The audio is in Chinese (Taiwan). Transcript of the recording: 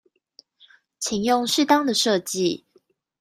請用適當的設計